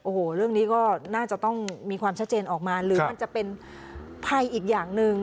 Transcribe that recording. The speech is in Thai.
โอ้โหเรื่องนี้ก็น่าจะต้องมีความชัดเจนออกมาหรือมันจะเป็นภัยอีกอย่างหนึ่ง